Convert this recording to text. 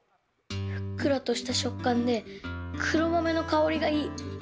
ふっくらとした食感で黒豆の香りがいい。